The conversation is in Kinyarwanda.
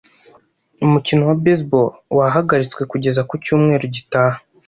Umukino wa baseball wahagaritswe kugeza ku cyumweru gitaha.